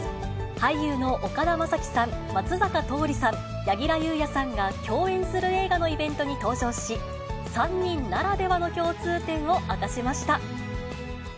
俳優の岡田将生さん、松坂桃李さん、柳楽優弥さんが共演する映画のイベントに登場し、３人ならではの共通点を明かしました。